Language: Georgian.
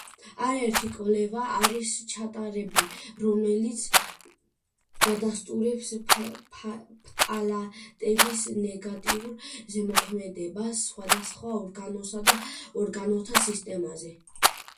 არაერთი კვლევა არის ჩატარებული, რომელიც ადასტურებს ფტალატების ნეგატიურ ზემოქმედებას სხვადასხვა ორგანოსა და ორგანოთა სისტემაზე.